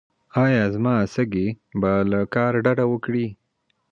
ایا زما سږي به له کار ډډه وکړي؟